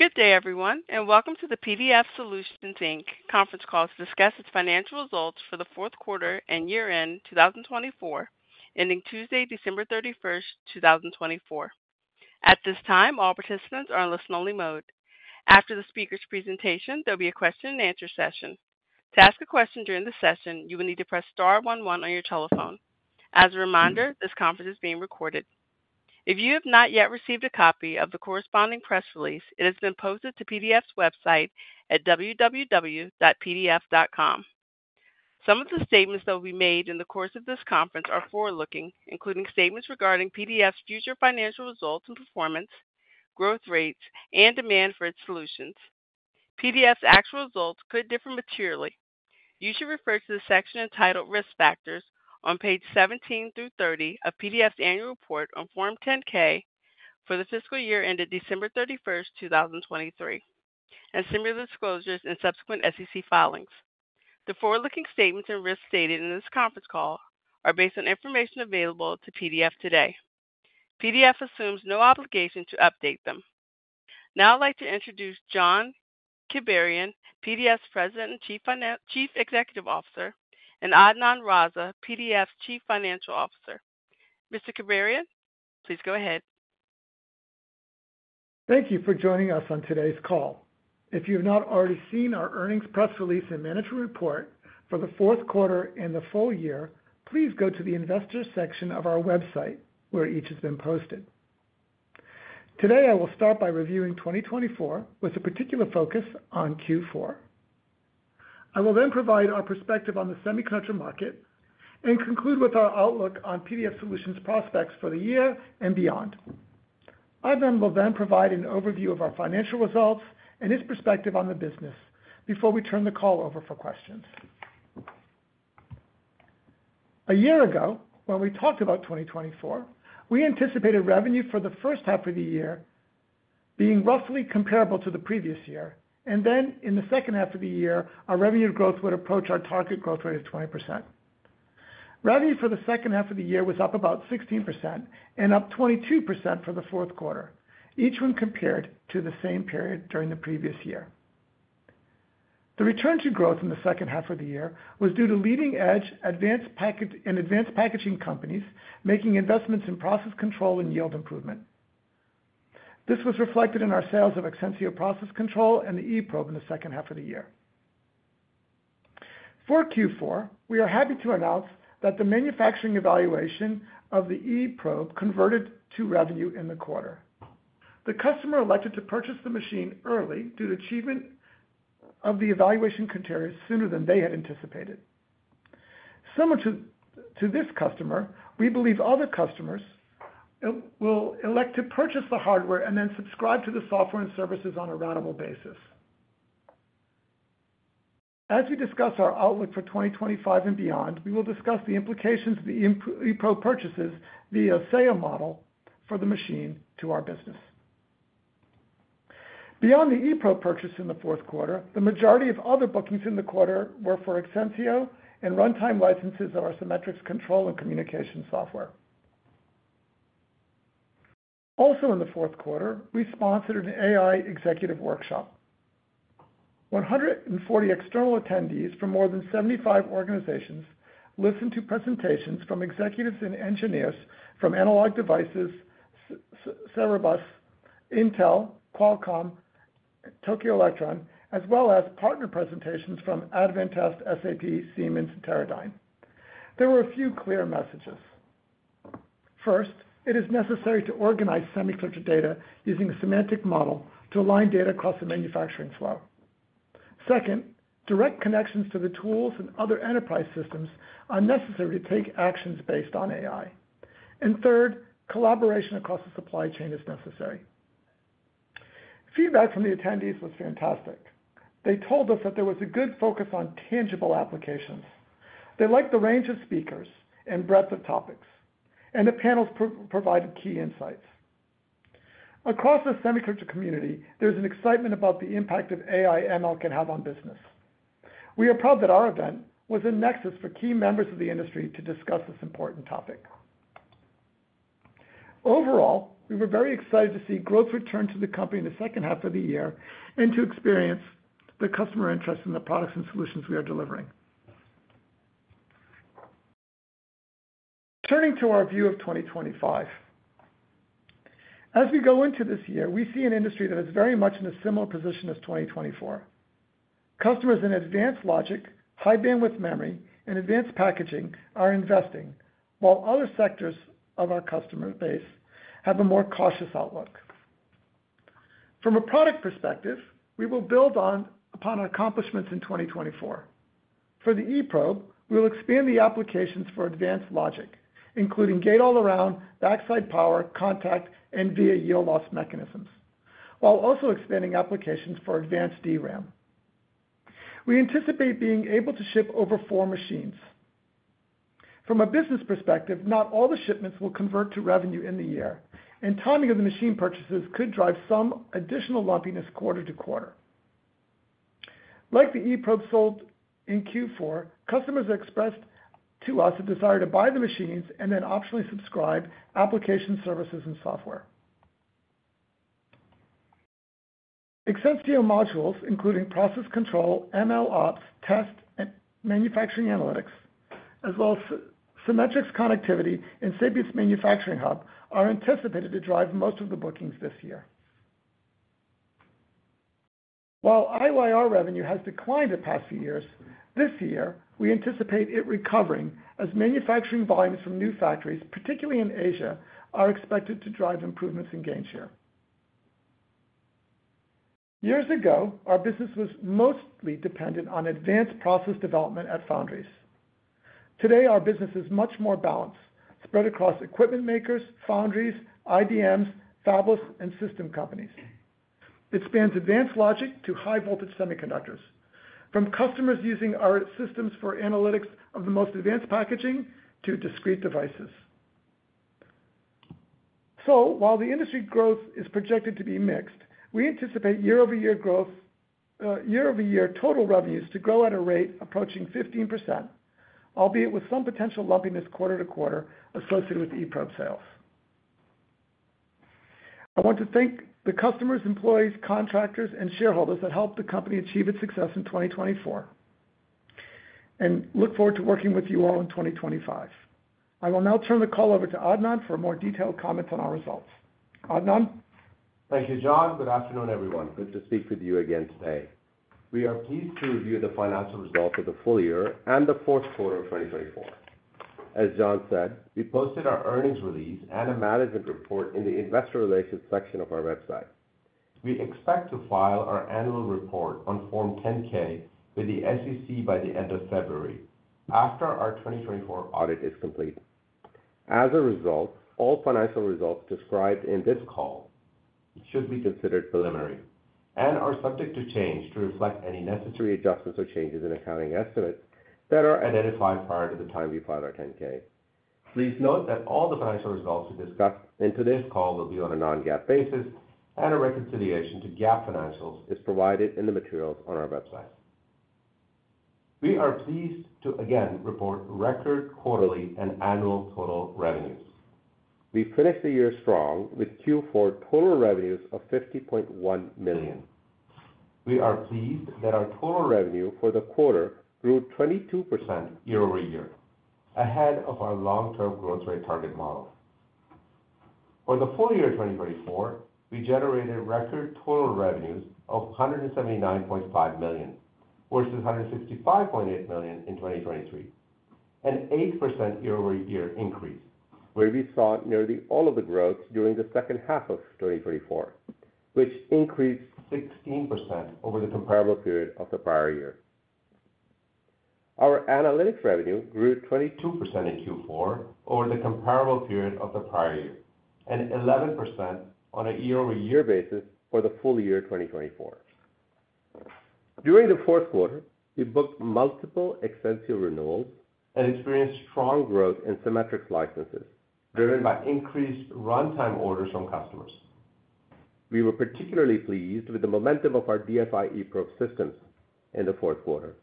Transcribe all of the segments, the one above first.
Good day, everyone, and welcome to the PDF Solutions Inc. Conference Call to discuss its financial results for the Fourth Quarter and Year-End 2024, ending Tuesday, December 31st, 2024. At this time, all participants are in listen-only mode. After the speaker's presentation, there will be a Question-and-Answer session. To ask a question during the session, you will need to press star 11 on your telephone. As a reminder, this conference is being recorded. If you have not yet received a copy of the corresponding press release, it has been posted to PDF's website at www.pdf.com. Some of the statements that will be made in the course of this conference are forward-looking, including statements regarding PDF's future financial results and performance, growth rates, and demand for its solutions. PDF's actual results could differ materially. You should refer to the section entitled Risk Factors on page 17 through 30 of PDF's Annual Report on Form 10-K for the fiscal year ended December 31st, 2023, and similar disclosures in subsequent SEC filings. The forward-looking statements and risks stated in this conference call are based on information available to PDF today. PDF assumes no obligation to update them. Now I'd like to introduce John Kibarian, PDF's President and Chief Executive Officer, and Adnan Raza, PDF's Chief Financial Officer. Mr. Kibarian, please go ahead. Thank you for joining us on today's call. If you have not already seen our earnings press release and management report for the fourth quarter and the full year, please go to the Investor section of our website where each has been posted. Today, I will start by reviewing 2024 with a particular focus on Q4. I will then provide our perspective on the semiconductor market and conclude with our outlook on PDF Solutions' prospects for the year and beyond. Adnan will then provide an overview of our financial results and his perspective on the business before we turn the call over for questions. A year ago, when we talked about 2024, we anticipated revenue for the first half of the year being roughly comparable to the previous year, and then in the second half of the year, our revenue growth would approach our target growth rate of 20%. Revenue for the second half of the year was up about 16% and up 22% for the fourth quarter, each one compared to the same period during the previous year. The return to growth in the second half of the year was due to leading-edge advanced packaging companies making investments in Process Control and yield improvement. This was reflected in our sales of Exensio Process Control and the eProbe in the second half of the year. For Q4, we are happy to announce that the manufacturing evaluation of the eProbe converted to revenue in the quarter. The customer elected to purchase the machine early due to achievement of the evaluation criteria sooner than they had anticipated. Similar to this customer, we believe other customers will elect to purchase the hardware and then subscribe to the software and services on a rental basis. As we discuss our outlook for 2025 and beyond, we will discuss the implications of the eProbe purchases via a sale model for the machine to our business. Beyond the eProbe purchase in the fourth quarter, the majority of other bookings in the quarter were for Exensio and runtime licenses of our Cimetrix control and communication software. Also in the fourth quarter, we sponsored an AI Executive Workshop. 140 external attendees from more than 75 organizations listened to presentations from executives and engineers from Analog Devices, Cerebras, Intel, Qualcomm, Tokyo Electron, as well as partner presentations from Advantest, SAP, Siemens, and Teradyne. There were a few clear messages. First, it is necessary to organize semiconductor data using a semantic model to align data across the manufacturing flow. Second, direct connections to the tools and other enterprise systems are necessary to take actions based on AI. And third, collaboration across the supply chain is necessary. Feedback from the attendees was fantastic. They told us that there was a good focus on tangible applications. They liked the range of speakers and breadth of topics, and the panels provided key insights. Across the semiconductor community, there is an excitement about the impact that AI/ML can have on business. We are proud that our event was a nexus for key members of the industry to discuss this important topic. Overall, we were very excited to see growth return to the company in the second half of the year and to experience the customer interest in the products and solutions we are delivering. Turning to our view of 2025, as we go into this year, we see an industry that is very much in a similar position as 2024. Customers in advanced logic, high bandwidth memory, and Advanced Packaging are investing, while other sectors of our customer base have a more cautious outlook. From a product perspective, we will build upon our accomplishments in 2024. For the eProbe, we will expand the applications for advanced logic, including Gate-All-Around, Backside Power, Contact, and Via yield loss mechanisms, while also expanding applications for advanced DRAM. We anticipate being able to ship over four machines. From a business perspective, not all the shipments will convert to revenue in the year, and timing of the machine purchases could drive some additional lumpiness quarter to quarter. Like the eProbe sold in Q4, customers expressed to us a desire to buy the machines and then optionally subscribe to application services and software. Exensio modules, including Process Control, MLOps, test, and Manufacturing Analytics, as well as Cimetrix connectivity and Sapience Manufacturing Hub, are anticipated to drive most of the bookings this year. While IYR revenue has declined the past few years, this year, we anticipate it recovering as manufacturing volumes from new factories, particularly in Asia, are expected to drive improvements in Gainshare. Years ago, our business was mostly dependent on advanced process development at foundries. Today, our business is much more balanced, spread across equipment makers, foundries, IDMs, fabless, and system companies. It spans advanced logic to high-voltage semiconductors, from customers using our systems for analytics of the most advanced packaging to discrete devices. So, while the industry growth is projected to be mixed, we anticipate year-over-year total revenues to grow at a rate approaching 15%, albeit with some potential lumpiness quarter to quarter associated with eProbe sales. I want to thank the customers, employees, contractors, and shareholders that helped the company achieve its success in 2024, and look forward to working with you all in 2025. I will now turn the call over to Adnan for more detailed comments on our results. Adnan. Thank you, John. Good afternoon, everyone. Good to speak with you again today. We are pleased to review the financial results of the full year and the fourth quarter of 2024. As John said, we posted our earnings release and a management report in the Investor Relations section of our website. We expect to file our Annual Report on Form 10-K with the SEC by the end of February after our 2024 audit is complete. As a result, all financial results described in this call should be considered preliminary and are subject to change to reflect any necessary adjustments or changes in accounting estimates that are identified prior to the time we file our 10-K. Please note that all the financial results we discussed in today's call will be on a non-GAAP basis, and a reconciliation to GAAP financials is provided in the materials on our website. We are pleased to again report record quarterly and annual total revenues. We finished the year strong with Q4 total revenues of $50.1 million. We are pleased that our total revenue for the quarter grew 22% year-over-year, ahead of our long-term growth rate target model. For the full year 2024, we generated record total revenues of $179.5 million versus $165.8 million in 2023, an 8% year-over-year increase, where we saw nearly all of the growth during the second half of 2024, which increased 16% over the comparable period of the prior year. Our analytics revenue grew 22% in Q4 over the comparable period of the prior year, and 11% on a year-over-year basis for the full year 2024. During the fourth quarter, we booked multiple Exensio renewals and experienced strong growth in Cimetrix licenses, driven by increased runtime orders from customers. We were particularly pleased with the momentum of our DFI eProbe systems in the fourth quarter,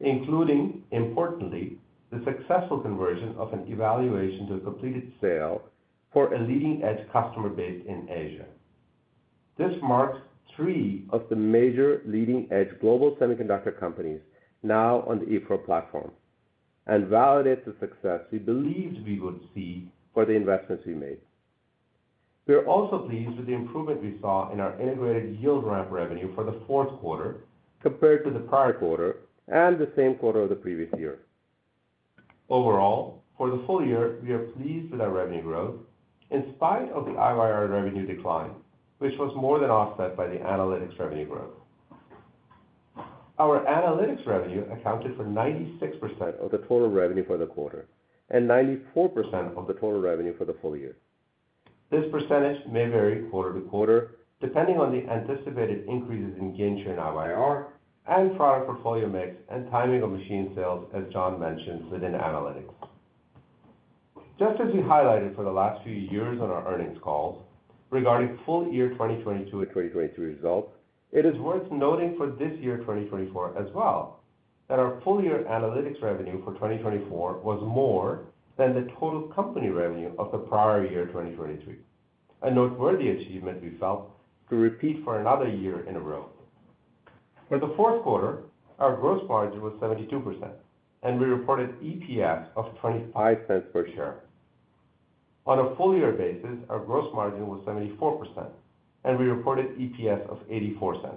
including, importantly, the successful conversion of an evaluation to a completed sale for a leading-edge customer base in Asia. This marks three of the major leading-edge global semiconductor companies now on the eProbe platform and validates the success we believed we would see for the investments we made. We are also pleased with the improvement we saw in our Integrated Yield Ramp revenue for the fourth quarter compared to the prior quarter and the same quarter of the previous year. Overall, for the full year, we are pleased with our revenue growth in spite of the IYR revenue decline, which was more than offset by the analytics revenue growth. Our analytics revenue accounted for 96% of the total revenue for the quarter and 94% of the total revenue for the full year. This percentage may vary quarter to quarter depending on the anticipated increases in Gainshare IYR and product portfolio mix and timing of machine sales, as John mentioned within analytics. Just as we highlighted for the last few years on our earnings calls regarding full year 2022 and 2023 results, it is worth noting for this year 2024 as well that our full year analytics revenue for 2024 was more than the total company revenue of the prior year 2023, a noteworthy achievement we felt could repeat for another year in a row. For the fourth quarter, our gross margin was 72%, and we reported EPS of $0.25 per share. On a full year basis, our gross margin was 74%, and we reported EPS of $0.84.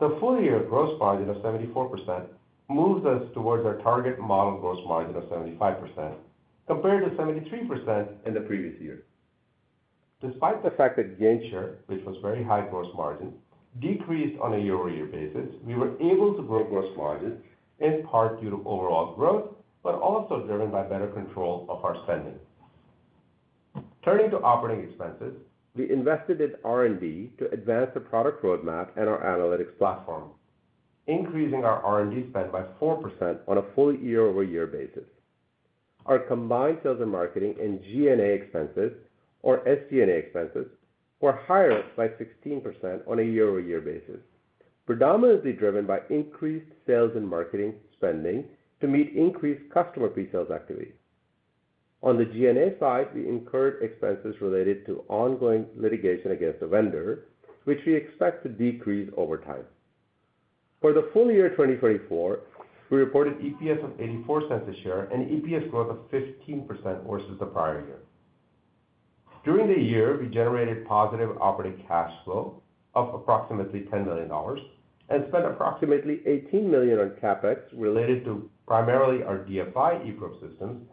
The full year gross margin of 74% moves us towards our target model gross margin of 75% compared to 73% in the previous year. Despite the fact that Gainshare, which was very high gross margin, decreased on a year-over-year basis, we were able to grow gross margin in part due to overall growth, but also driven by better control of our spending. Turning to operating expenses, we invested in R&D to advance the product roadmap and our analytics platform, increasing our R&D spend by 4% on a full year-over-year basis. Our combined sales and marketing and G&A expenses, or SG&A expenses, were higher by 16% on a year-over-year basis, predominantly driven by increased sales and marketing spending to meet increased customer presales activity. On the G&A side, we incurred expenses related to ongoing litigation against a vendor, which we expect to decrease over time. For the full year 2024, we reported EPS of $0.84 a share and EPS growth of 15% versus the prior year. During the year, we generated positive operating cash flow of approximately $10 million and spent approximately $18 million on CapEx related to primarily our DFI eProbe systems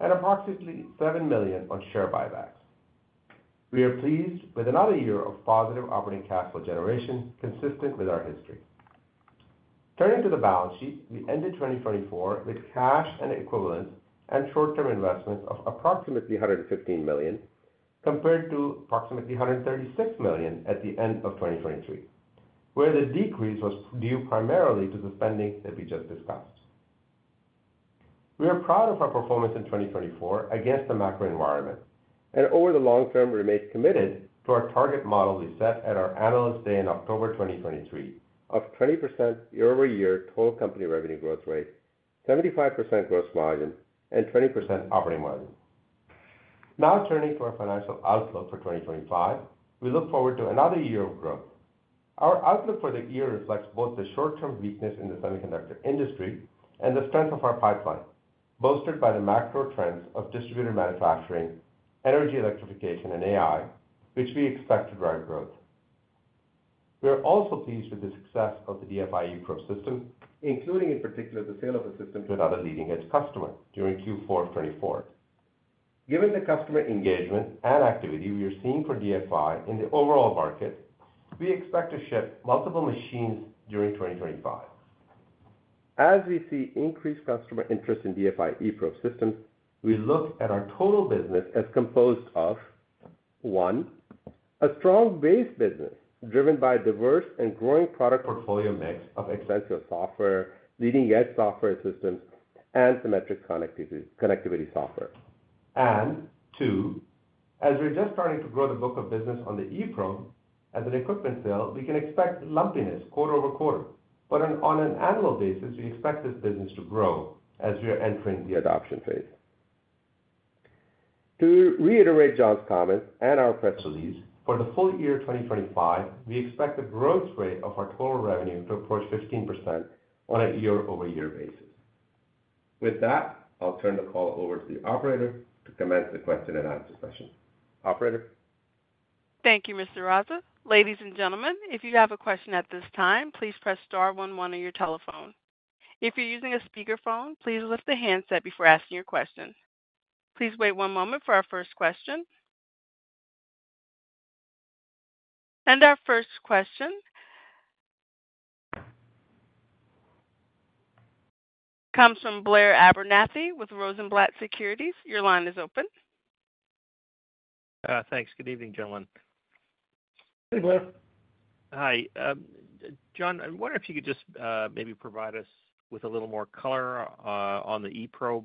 and approximately $7 million on share buybacks. We are pleased with another year of positive operating cash flow generation consistent with our history. Turning to the balance sheet, we ended 2024 with cash and cash equivalents and short-term investments of approximately $115 million compared to approximately $136 million at the end of 2023, where the decrease was due primarily to the spending that we just discussed. We are proud of our performance in 2024 against the macro environment, and over the long term, we remain committed to our target model we set at our Analyst Day in October 2023 of 20% year-over-year total company revenue growth rate, 75% gross margin, and 20% operating margin. Now turning to our financial outlook for 2025, we look forward to another year of growth. Our outlook for the year reflects both the short-term weakness in the semiconductor industry and the strength of our pipeline, bolstered by the macro trends of distributed manufacturing, energy electrification, and AI, which we expect to drive growth. We are also pleased with the success of the DFI eProbe system, including in particular the sale of the system to another leading-edge customer during Q4 of 2024. Given the customer engagement and activity we are seeing for DFI in the overall market, we expect to ship multiple machines during 2025. As we see increased customer interest in DFI eProbe systems, we look at our total business as composed of: one, a strong base business driven by a diverse and growing product portfolio mix of Exensio software, leading-edge software systems, and Cimetrix connectivity software, and two, as we're just starting to grow the book of business on the eProbe as an equipment sale, we can expect lumpiness quarter over quarter, but on an annual basis, we expect this business to grow as we are entering the adoption phase. To reiterate John's comments and our press release, for the full year 2025, we expect the growth rate of our total revenue to approach 15% on a year-over-year basis. With that, I'll turn the call over to the operator to commence the Question and Answer session. Operator. Thank you, Mr. Raza. Ladies and gentlemen, if you have a question at this time, please press star one-one on your telephone. If you're using a speakerphone, please lift the handset before asking your question. Please wait one moment for our first question. And our first question comes from Blair Abernethy with Rosenblatt Securities. Your line is open. Thanks. Good evening, gentlemen. Good evening, Blair. Hi. John, I wonder if you could just maybe provide us with a little more color on the eProbe,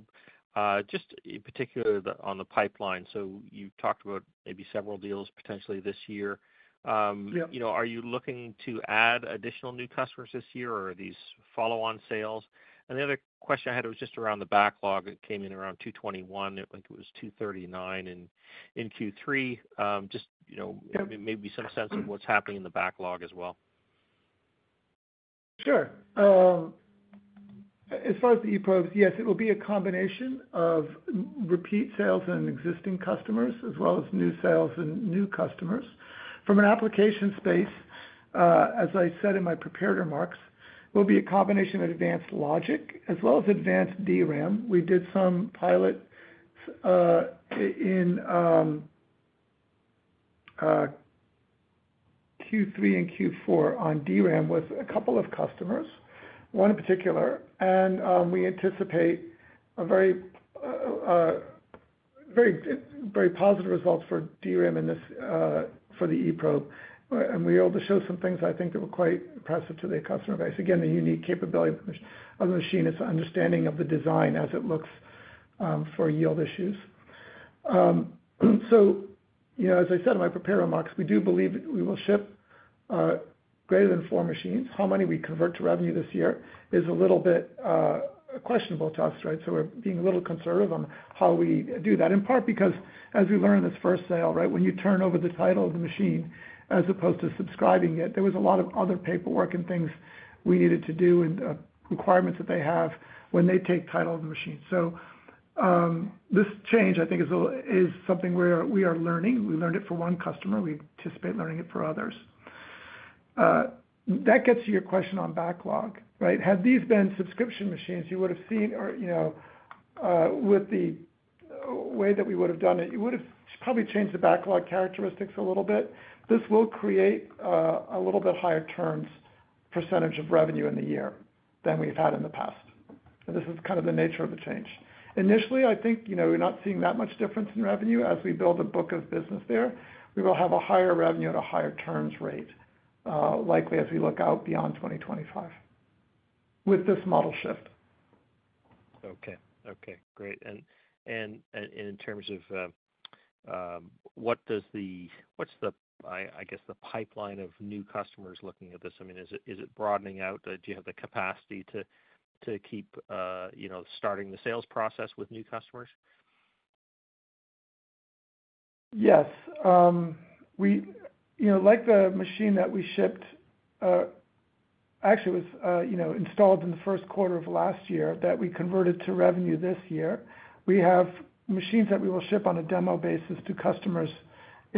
just in particular on the pipeline. So you talked about maybe several deals potentially this year. Are you looking to add additional new customers this year, or are these follow-on sales? And the other question I had was just around the backlog. It came in around 221. It was 239 in Q3. Just maybe some sense of what's happening in the backlog as well. Sure. As far as the eProbes, yes, it will be a combination of repeat sales and existing customers, as well as new sales and new customers. From an application space, as I said in my prepared remarks, it will be a combination of advanced logic as well as advanced DRAM. We did some pilot in Q3 and Q4 on DRAM with a couple of customers, one in particular, and we anticipate very positive results for DRAM for the eProbe, and we were able to show some things I think that were quite impressive to the customer base. Again, the unique capability of the machine is understanding of the design as it looks for yield issues, so, as I said in my prepared remarks, we do believe we will ship greater than four machines. How many we convert to revenue this year is a little bit questionable to us, right? So we're being a little conservative on how we do that, in part because, as we learned in this first sale, right, when you turn over the title of the machine as opposed to subscribing it, there was a lot of other paperwork and things we needed to do and requirements that they have when they take title of the machine. So this change, I think, is something we are learning. We learned it for one customer. We anticipate learning it for others. That gets to your question on backlog, right? Had these been subscription machines, you would have seen, or with the way that we would have done it, you would have probably changed the backlog characteristics a little bit. This will create a little bit higher terms percentage of revenue in the year than we've had in the past. This is kind of the nature of the change. Initially, I think we're not seeing that much difference in revenue. As we build a book of business there, we will have a higher revenue at a higher terms rate, likely as we look out beyond 2025 with this model shift. Okay. Okay. Great. And in terms of what's the, I guess, the pipeline of new customers looking at this? I mean, is it broadening out? Do you have the capacity to keep starting the sales process with new customers? Yes. Like the machine that we shipped, actually was installed in the first quarter of last year that we converted to revenue this year, we have machines that we will ship on a demo basis to customers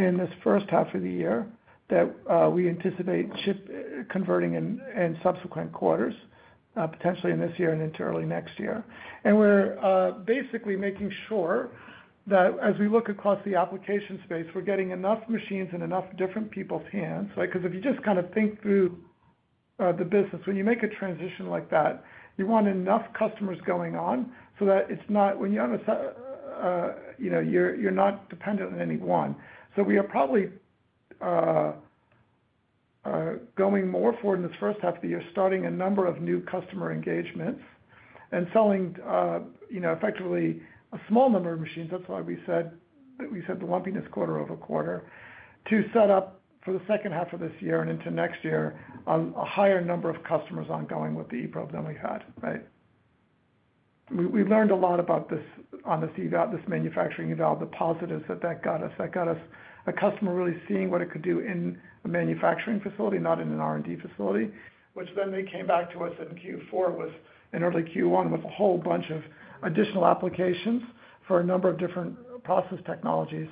in this first half of the year that we anticipate ship converting in subsequent quarters, potentially in this year and into early next year. And we're basically making sure that as we look across the application space, we're getting enough machines in enough different people's hands, right? Because if you just kind of think through the business, when you make a transition like that, you want enough customers going on so that it's not when you're on a set you're not dependent on anyone. So we are probably going more forward in this first half of the year, starting a number of new customer engagements and selling effectively a small number of machines. That's why we said that we said the lumpiness quarter over quarter to set up for the second half of this year and into next year on a higher number of customers ongoing with the eProbe than we had, right? We learned a lot about this on this manufacturing eval, the positives that that got us. That got us a customer really seeing what it could do in a manufacturing facility, not in an R&D facility, which then they came back to us in Q4 was in early Q1 with a whole bunch of additional applications for a number of different process technologies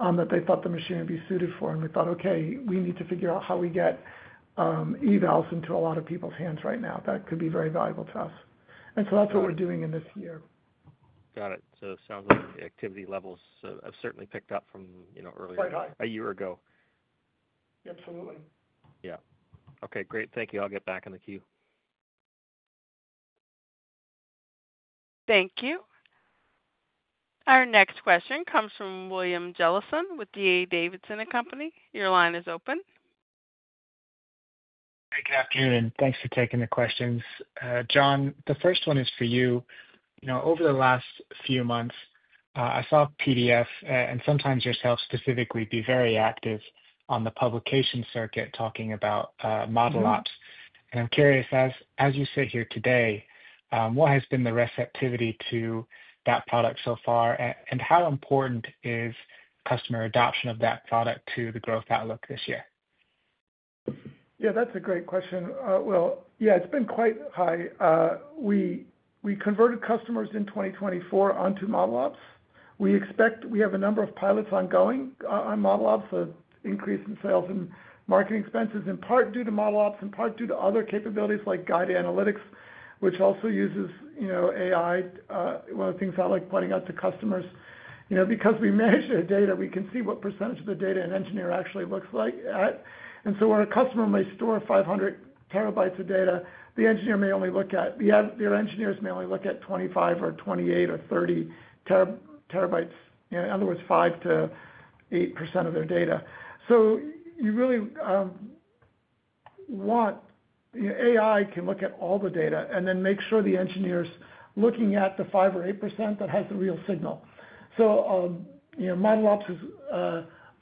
that they thought the machine would be suited for. We thought, "Okay, we need to figure out how we get evals into a lot of people's hands right now. That could be very valuable to us." So that's what we're doing in this year. Got it. So it sounds like the activity levels have certainly picked up from earlier than a year ago. Quite high. Absolutely. Yeah. Okay. Great. Thank you. I'll get back in the queue. Thank you. Our next question comes from William Jellison with D.A. Davidson & Company. Your line is open. Hey, good afternoon, and thanks for taking the questions. John, the first one is for you. Over the last few months, I saw PDF and sometimes yourself specifically be very active on the publication circuit talking about ModelOps. And I'm curious, as you sit here today, what has been the receptivity to that product so far, and how important is customer adoption of that product to the growth outlook this year? Yeah, that's a great question. Well, yeah, it's been quite high. We converted customers in 2024 onto ModelOps. We expect we have a number of pilots ongoing on ModelOps, an increase in sales and marketing expenses, in part due to ModelOps, in part due to other capabilities like guided analytics, which also uses AI, one of the things I like pointing out to customers, because we measure data, we can see what percentage of the data an engineer actually looks at. So where a customer may store 500 terabytes of data, the engineer may only look at 25 or 28 or 30 terabytes, in other words, 5%-8% of their data. So you really want AI to look at all the data and then make sure the engineer's looking at the 5%-8% that has the real signal. ModelOps is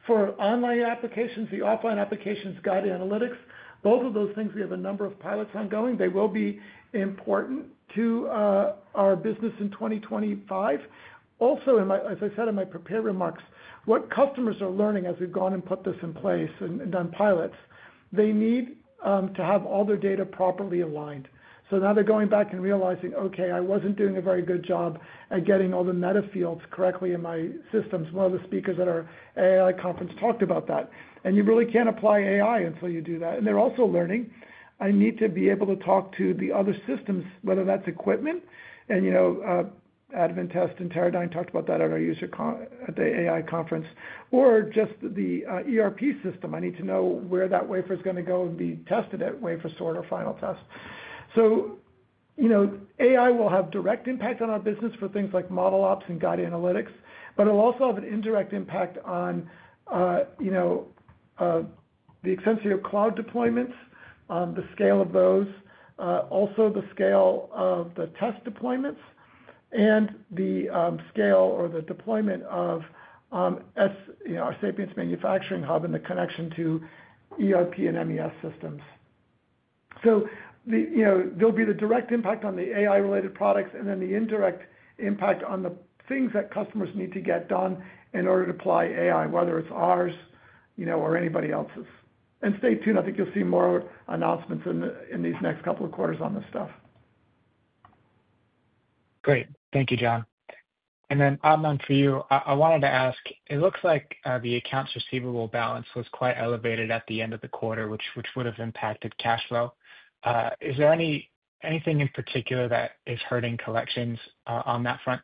for online applications, the offline applications, guided analytics, both of those things. We have a number of pilots ongoing. They will be important to our business in 2025. Also, as I said in my prepared remarks, what customers are learning as we've gone and put this in place and done pilots, they need to have all their data properly aligned. So now they're going back and realizing, "Okay, I wasn't doing a very good job at getting all the meta fields correctly in my systems." One of the speakers at our AI conference talked about that. You really can't apply AI until you do that. They're also learning, "I need to be able to talk to the other systems, whether that's equipment." Advantest and Teradyne talked about that at our AI conference. Or just the ERP system, "I need to know where that wafer is going to go and be tested at wafer sort or final test." So AI will have direct impact on our business for things like ModelOps and guided analytics, but it'll also have an indirect impact on the extensive cloud deployments, the scale of those, also the scale of the test deployments, and the scale or the deployment of our Sapience Manufacturing Hub and the connection to ERP and MES systems. So there'll be the direct impact on the AI-related products and then the indirect impact on the things that customers need to get done in order to apply AI, whether it's ours or anybody else's. And stay tuned. I think you'll see more announcements in these next couple of quarters on this stuff. Great. Thank you, John. And then Adnan, for you, I wanted to ask, it looks like the accounts receivable balance was quite elevated at the end of the quarter, which would have impacted cash flow. Is there anything in particular that is hurting collections on that front?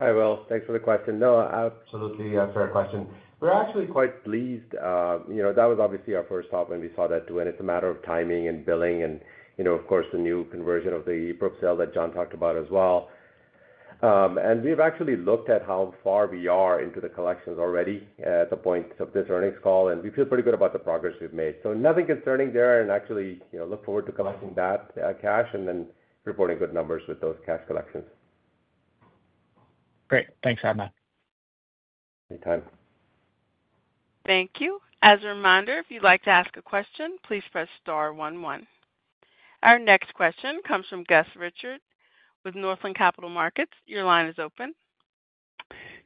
Hi, Will. Thanks for the question. No, absolutely fair question. We're actually quite pleased. That was obviously our first stop when we saw that too, and it's a matter of timing and billing and, of course, the new conversion of the eProbe sale that John talked about as well, and we have actually looked at how far we are into the collections already at the point of this earnings call, and we feel pretty good about the progress we've made, so nothing concerning there, and actually look forward to collecting that cash and then reporting good numbers with those cash collections. Great. Thanks, Adnan. Anytime. Thank you. As a reminder, if you'd like to ask a question, please press star one-one. Our next question comes from Gus Richard with Northland Capital Markets. Your line is open.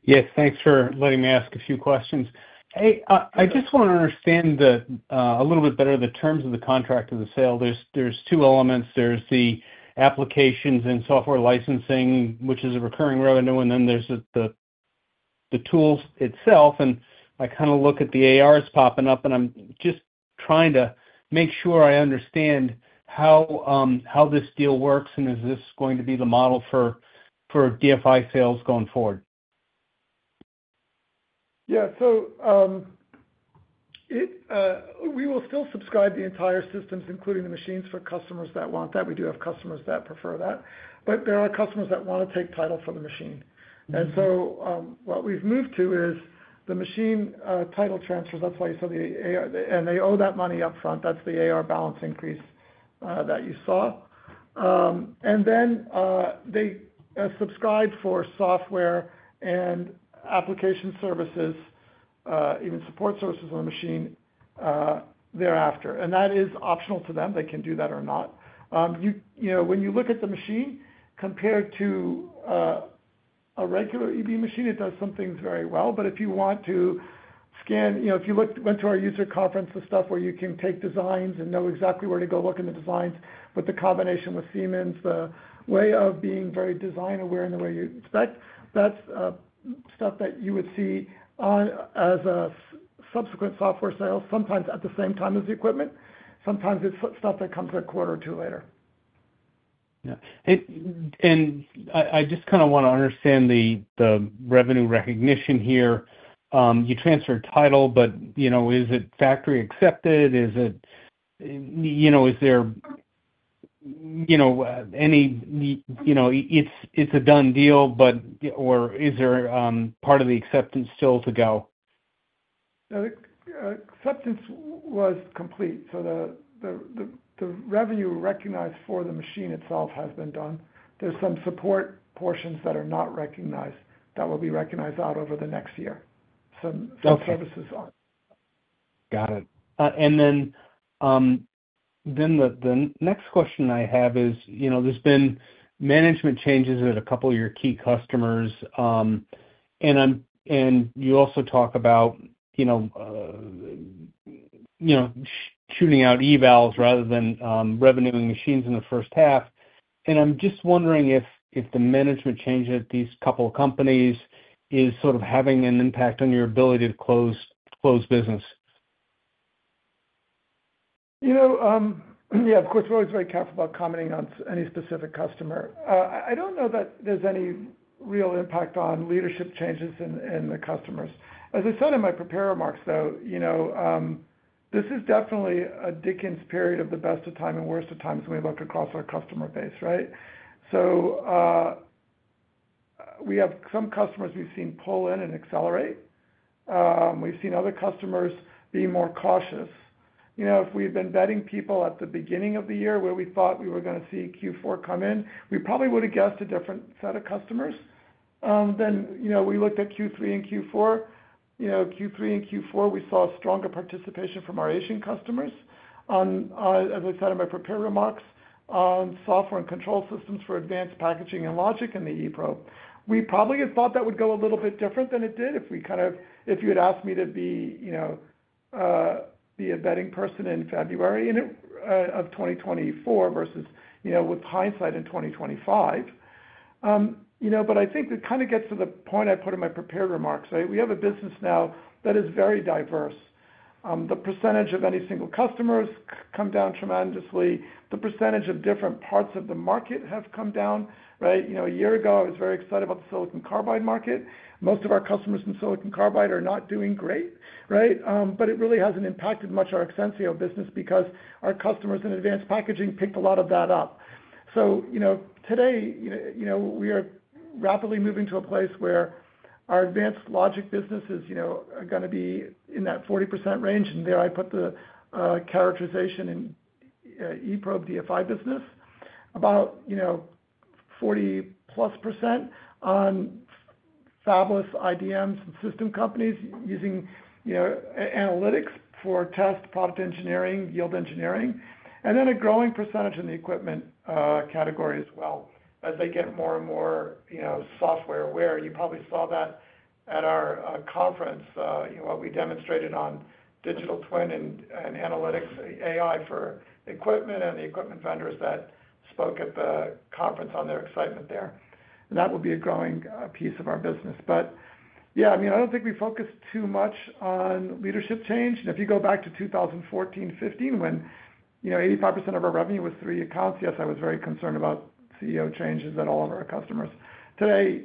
Yes. Thanks for letting me ask a few questions. Hey, I just want to understand a little bit better the terms of the contract of the sale. There's two elements. There's the applications and software licensing, which is a recurring revenue, and then there's the tools itself. And I kind of look at the ARs popping up, and I'm just trying to make sure I understand how this deal works, and is this going to be the model for DFI sales going forward? Yeah. So we will still subscribe the entire systems, including the machines, for customers that want that. We do have customers that prefer that. But there are customers that want to take title for the machine. And so what we've moved to is the machine title transfers. That's why you saw the AR. And they owe that money upfront. That's the AR balance increase that you saw. And then they subscribe for software and application services, even support services on the machine thereafter. And that is optional to them. They can do that or not. When you look at the machine, compared to a regular EB machine, it does some things very well. But if you want to scan, if you went to our user conference, the stuff where you can take designs and know exactly where to go look in the designs, but the combination with Siemens, the way of being very design-aware in the way you expect, that's stuff that you would see as a subsequent software sale, sometimes at the same time as the equipment, sometimes it's stuff that comes a quarter or two later. Yeah. And I just kind of want to understand the revenue recognition here. You transferred title, but is it factory accepted? Is there any? It's a done deal, or is there part of the acceptance still to go? The acceptance was complete. So the revenue recognized for the machine itself has been done. There's some support portions that are not recognized that will be recognized out over the next year. Some services are got it. And then the next question I have is there's been management changes at a couple of your key customers. And you also talk about shipping out evals rather than revenuing machines in the first half. And I'm just wondering if the management change at these couple of companies is sort of having an impact on your ability to close business. Yeah. Of course, we're always very careful about commenting on any specific customer. I don't know that there's any real impact on leadership changes in the customers. As I said in my prepared remarks, though, this is definitely a Dickens period of the best of times and worst of times when we look across our customer base, right? So we have some customers we've seen pull in and accelerate. We've seen other customers be more cautious. If we've been betting people at the beginning of the year where we thought we were going to see Q4 come in, we probably would have guessed a different set of customers. Then we looked at Q3 and Q4. Q3 and Q4, we saw stronger participation from our Asian customers. As I said in my prepared remarks, software and control systems for advanced packaging and logic in the eProbe. We probably had thought that would go a little bit different than it did, if we kind of, if you had asked me to be a betting person in February of 2024 versus with hindsight in 2025. But I think it kind of gets to the point I put in my prepared remarks, right? We have a business now that is very diverse. The percentage of any single customers come down tremendously. The percentage of different parts of the market have come down, right? A year ago, I was very excited about the silicon carbide market. Most of our customers in silicon carbide are not doing great, right? But it really hasn't impacted much our Exensio business because our customers in advanced packaging picked a lot of that up. So today, we are rapidly moving to a place where our advanced logic businesses are going to be in that 40% range. And there I put the characterization in eProbe DFI business, about 40+% on fabless IDMs and system companies using analytics for test product engineering, yield engineering. And then a growing percentage in the equipment category as well. As they get more and more software aware, you probably saw that at our conference, what we demonstrated on Digital Twin and Analytics AI for equipment and the equipment vendors that spoke at the conference on their excitement there. And that will be a growing piece of our business. But yeah, I mean, I don't think we focused too much on leadership change. If you go back to 2014, 2015, when 85% of our revenue was through eAccounts, yes, I was very concerned about CEO changes at all of our customers. Today,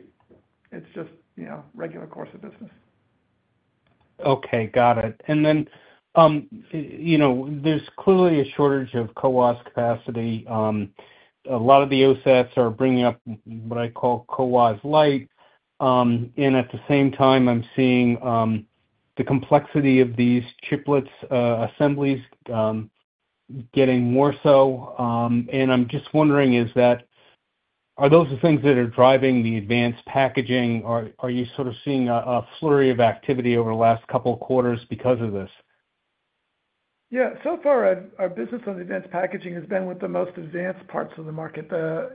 it's just regular course of business. Okay. Got it. And then there's clearly a shortage of CoWoS capacity. A lot of the OSATs are bringing up what I call CoWoS light. And at the same time, I'm seeing the complexity of these chiplets assemblies getting more so. And I'm just wondering, are those the things that are driving the advanced packaging? Are you sort of seeing a flurry of activity over the last couple of quarters because of this? Yeah. So far, our business on advanced packaging has been with the most advanced parts of the market, the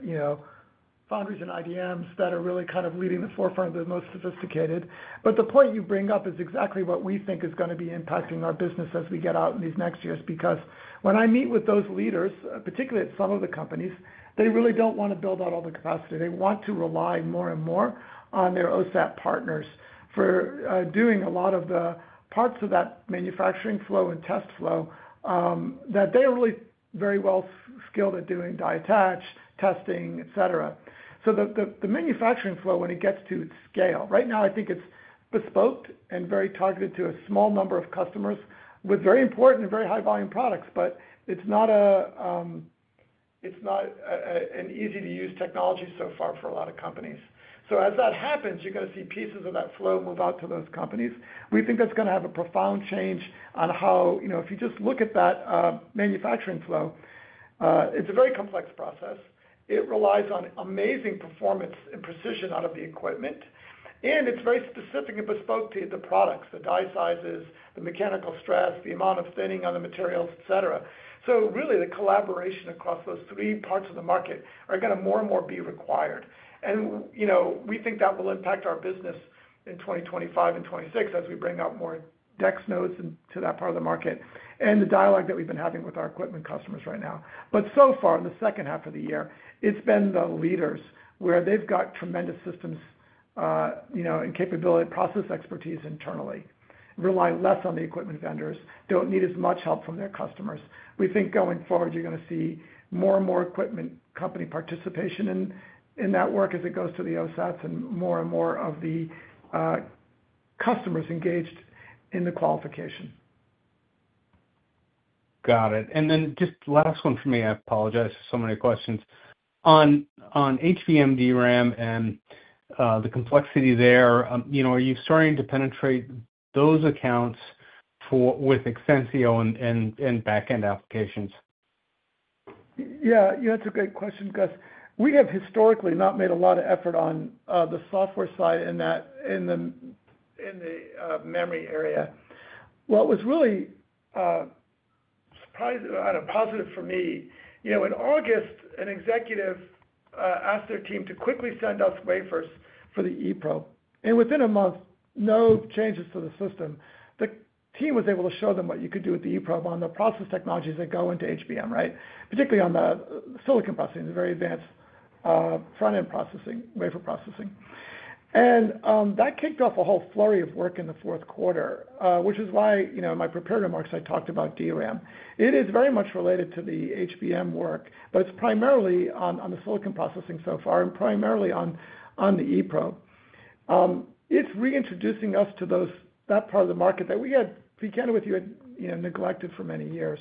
foundries and IDMs that are really kind of leading the forefront of the most sophisticated. But the point you bring up is exactly what we think is going to be impacting our business as we get out in these next years because when I meet with those leaders, particularly at some of the companies, they really don't want to build out all the capacity. They want to rely more and more on their OSAT partners for doing a lot of the parts of that manufacturing flow and test flow that they are really very well skilled at doing die attach testing, etc. So the manufacturing flow, when it gets to its scale, right now, I think it's bespoke and very targeted to a small number of customers with very important and very high-volume products, but it's not an easy-to-use technology so far for a lot of companies. So as that happens, you're going to see pieces of that flow move out to those companies. We think that's going to have a profound change on how if you just look at that manufacturing flow, it's a very complex process. It relies on amazing performance and precision out of the equipment. And it's very specific and bespoke to the products, the die sizes, the mechanical stress, the amount of thinning on the materials, etc. So really, the collaboration across those three parts of the market are going to more and more be required. And we think that will impact our business in 2025 and 2026 as we bring out more DEX nodes into that part of the market and the dialogue that we've been having with our equipment customers right now. But so far, in the second half of the year, it's been the leaders where they've got tremendous systems and capability, process expertise internally, rely less on the equipment vendors, don't need as much help from their customers. We think going forward, you're going to see more and more equipment company participation in that work as it goes to the OSATs and more and more of the customers engaged in the qualification. Got it. And then just last one for me. I apologize for so many questions. On HBM DRAM and the complexity there, are you starting to penetrate those accounts with Exensio and backend applications? Yeah. That's a great question, Gus. We have historically not made a lot of effort on the software side in the memory area. What was really surprisingly positive for me, in August, an executive asked their team to quickly send us wafers for the eProbe. And within a month, no changes to the system. The team was able to show them what you could do with the eProbe on the process technologies that go into HBM, right? Particularly on the silicon processing, the very advanced front-end processing, wafer processing. And that kicked off a whole flurry of work in the fourth quarter, which is why in my prepared remarks, I talked about DRAM. It is very much related to the HBM work, but it's primarily on the silicon processing so far and primarily on the eProbe. It's reintroducing us to that part of the market that we had, to be candid with you, neglected for many years,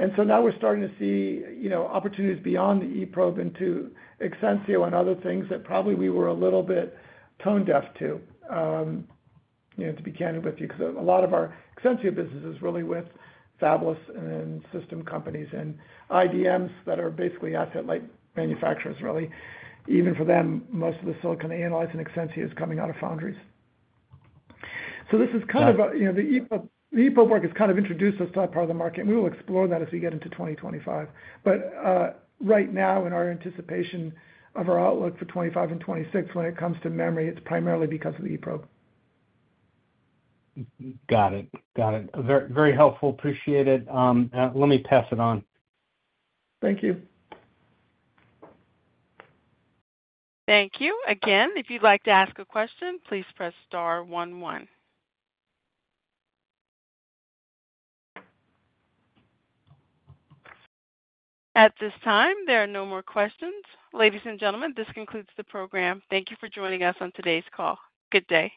and so now we're starting to see opportunities beyond the eProbe into Exensio and other things that probably we were a little bit tone-deaf to, to be candid with you, because a lot of our Exensio business is really with fabless and system companies and IDMs that are basically asset-light manufacturers, really. Even for them, most of the silicon analyzing Exensio is coming out of foundries. So this is kind of the eProbe work has kind of introduced us to that part of the market. We will explore that as we get into 2025. But right now, in our anticipation of our outlook for 2025 and 2026, when it comes to memory, it's primarily because of the eProbe. Got it. Got it. Very helpful. Appreciate it. Let me pass it on. Thank you. Thank you. Again, if you'd like to ask a question, please press star 11. At this time, there are no more questions. Ladies and gentlemen, this concludes the program. Thank you for joining us on today's call. Good day.